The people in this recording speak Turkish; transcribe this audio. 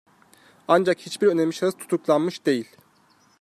Ancak hiçbir önemli şahıs tutuklanmış değil.